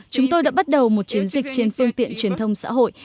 chúng tôi đã bắt đầu một chiến dịch trên phương tiện truyền thông xã hội